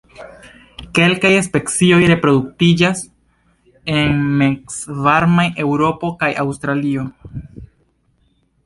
Kelkaj specioj reproduktiĝas en mezvarmaj Eŭropo kaj Aŭstralio.